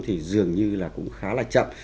thì dường như là cũng khá là chậm